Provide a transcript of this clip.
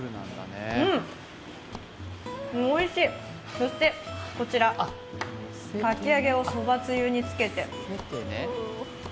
そしてこちらかき揚げをそばつゆにつけて。